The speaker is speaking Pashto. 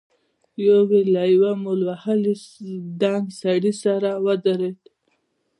يو يې له يوه مول وهلي دنګ سړي سره ودرېد.